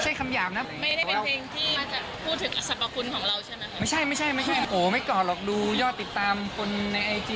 แจ็คพวกเขาเยอะกว่าผมทุกคนอยู่แล้ว